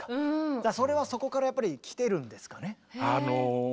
だからそれはそこからやっぱり来てるんですかね？